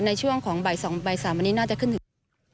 ในช่วงของใบ๒ใบ๓อันนี้น่าจะขึ้นถึง